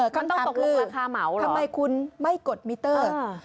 คำถามคือทำไมคุณไม่กดมิเตอร์